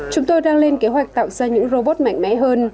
chúng tôi đang lên kế hoạch tạo ra những robot mạnh mẽ hơn